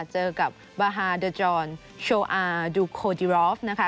เจอกับบาฮาเดอร์จรอนโชอาดูโคจิรอฟนะคะ